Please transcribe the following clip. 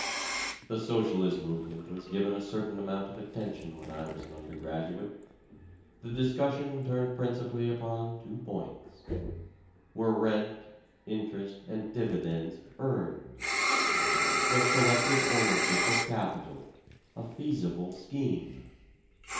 The socialist movement was given a certain amount of attention when I was an undergraduate. The discussion turned principally on two points: were rent, interest and dividends earned? Was collective ownership of capital a feasible scheme?